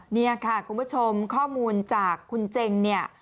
นี่ค่ะคุณผู้ชมข้อมูลจากคุณเจงเนี่ย